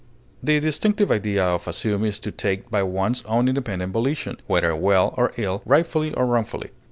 The distinctive idea of assume is to take by one's own independent volition, whether well or ill, rightfully or wrongfully.